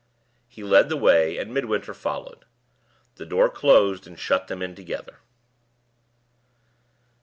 He led the way, and Midwinter followed. The door closed and shut them in together.